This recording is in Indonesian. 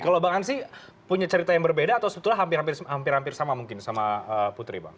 kalau bang ansi punya cerita yang berbeda atau sebetulnya hampir hampir sama mungkin sama putri bang